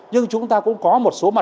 nhưng chúng ta cũng có một số mặt hàng